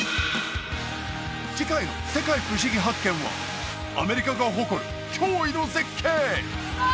次回の「世界ふしぎ発見！」はアメリカが誇る驚異の絶景！